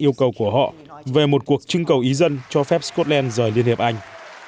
yêu cầu của họ về một cuộc trưng cầu ý dân cho phép scotland rời liên hiệp anh